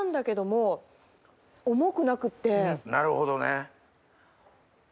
なるほどね。